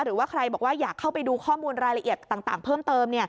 หรือว่าใครบอกว่าอยากเข้าไปดูข้อมูลรายละเอียดต่างเพิ่มเติม